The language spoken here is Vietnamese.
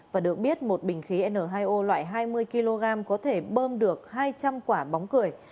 và được biết một bình khí n hai o loại hai mươi kg có thể bơm được hai trăm linh quả bóng cười